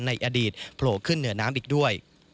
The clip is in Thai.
ในอดีตโผล่ขึ้นเหนือน้ำอีกด้วย